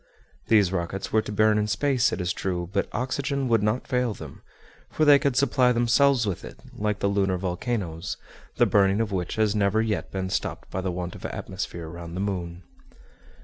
These rockets were to burn in space, it is true; but oxygen would not fail them, for they could supply themselves with it, like the lunar volcanoes, the burning of which has never yet been stopped by the want of atmosphere round the moon.